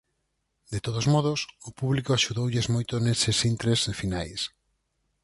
De todos modos, o público axudoulles moito neses intres finais.